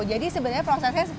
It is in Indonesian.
jadi sebenarnya prosesnya